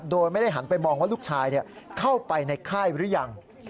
โดยไม่ได้หันไปมองว่าลูกชายเข้าไปในค่ายหรือยัง